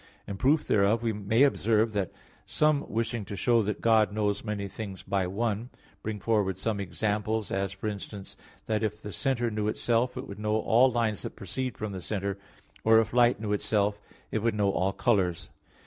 In proof thereof we may observe that some wishing to show that God knows many things by one, bring forward some examples, as, for instance, that if the centre knew itself, it would know all lines that proceed from the centre; or if light knew itself, it would know all colors.